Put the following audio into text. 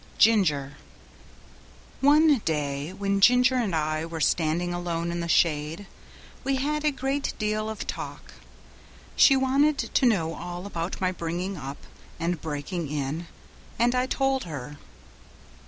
07 Ginger One day when Ginger and I were standing alone in the shade, we had a great deal of talk; she wanted to know all about my bringing up and breaking in, and I told her.